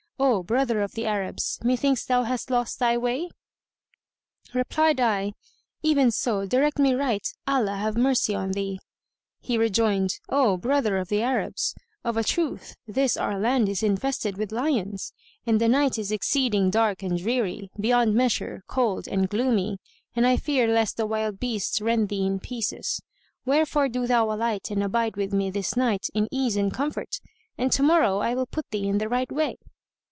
O brother of the Arabs, methinks thou hast lost thy way?" Replied I, "Even so, direct me right, Allah have mercy on thee!" He rejoined, "O brother of the Arabs, of a truth this our land is infested with lions and the night is exceeding dark and dreary, beyond measure cold and gloomy, and I fear lest the wild beasts rend thee in pieces; wherefore do thou alight and abide with me this night in ease and comfort, and to morrow I will put thee in the right way."